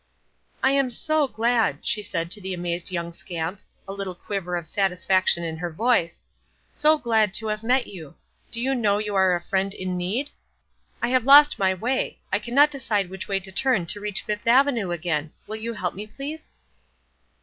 "I am so glad," she said to the amazed young scamp, a little quiver of satisfaction in her voice, "so glad to have met you. Do you know you are a friend in need? I have lost my way. I cannot decide which way to turn to reach Fifth Avenue again. Will you help me, please?"